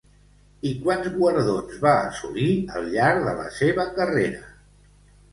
I quants guardons va assolir al llarg de la seva carrera?